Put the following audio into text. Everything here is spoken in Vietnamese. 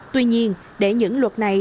tuy nhiên để những luật này